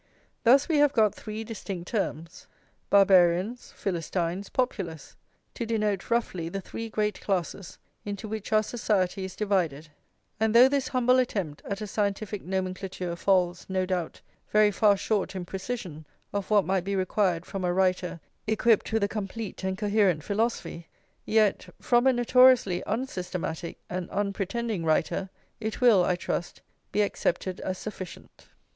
Thus we have got three distinct terms, Barbarians, Philistines, Populace, to denote roughly the three great classes into which our society is divided; and though this humble attempt at a scientific nomenclature falls, no doubt, very far short in precision of what might be required from a writer equipped with a complete and coherent philosophy, yet, from a notoriously unsystematic and unpretending writer, it will, I trust, be accepted as sufficient.